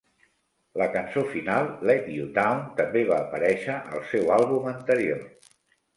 La cançó final, "Let You Down", també va aparèixer al seu àlbum anterior.